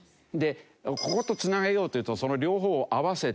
ここと繋げようというとその両方を合わせて。